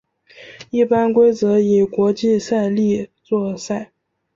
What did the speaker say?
一般规则以国际赛例作赛。